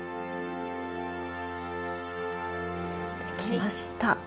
できました。